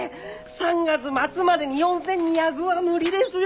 ３月末までに４，２００は無理ですよ。